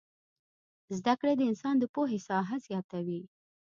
زدکړې د انسان د پوهې ساحه زياتوي